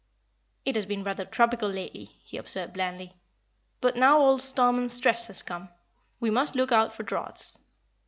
"It has been rather tropical lately," he observed, blandly, "but now old 'Storm and Stress' has come, we must look out for draughts."